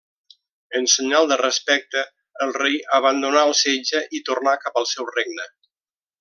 En senyal de respecte, el rei abandonà el setge i tornà cap al seu regne.